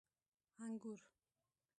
🍇 انګور